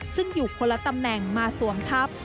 ซึ่งอยู่คนละตำแหน่งมาสวมทัพ